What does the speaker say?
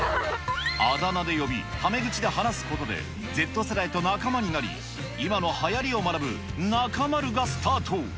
あだ名で呼び、タメ口で話すことでＺ世代とナカマになり、今のはやりを学ぶナカマるがスタート。